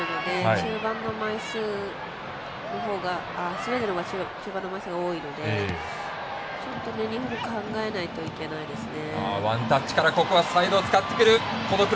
スウェーデンの中盤の枚数が多いのでちょっと日本も考えないといけないですね。